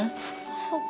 そっか。